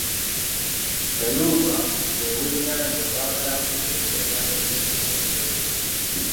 Endulumba bwe bwennyanja obwagala kumpi okwenkana enkejje mu butono.